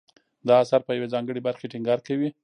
دا اثر په یوې ځانګړې برخې ټینګار کوي.